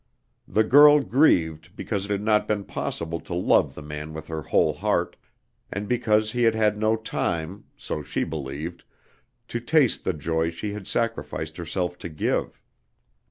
The girl grieved because it had not been possible to love the man with her whole heart, and because he had had no time (so she believed) to taste the joy she had sacrificed herself to give.